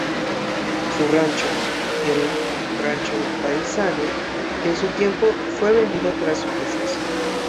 Su rancho, el "Rancho del Paisano" en su tiempo, fue vendido tras su deceso.